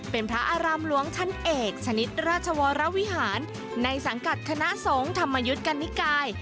เป็นพระอารามหลวงชั้นเอกชนิดราชวรวิหารในสังกัดคณะสงฆ์ธรรมยุทธ์กันนิกาย